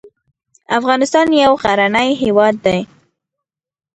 افغانستان یو غرنې هیواد ده